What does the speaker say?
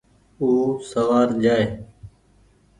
او سوآر جآئي۔